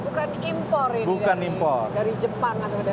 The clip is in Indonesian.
jadi kita bukan impor ini dari jepang atau dari